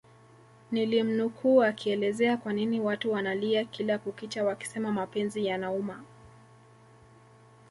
nilimnukuu akielezea kwanini watu wanalia kila kukicha wakisema mapenzi yanauma